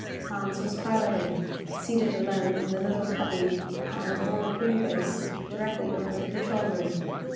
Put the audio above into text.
Hans was piloting, seated alone in the little cubby upon the forward wing base, directly over the control room.